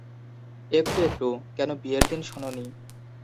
একটু একটু, কেন বিয়ের দিন শোনোনি?